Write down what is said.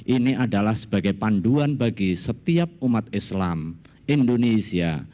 ini adalah sebagai panduan bagi setiap umat islam indonesia